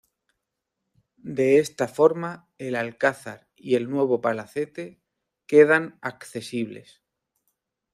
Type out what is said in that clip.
De esta forma el Alcazar y el nuevo palacete quedan accesibles.